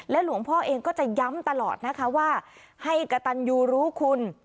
หลวงพ่อเองก็จะย้ำตลอดนะคะว่าให้กระตันยูรู้คุณ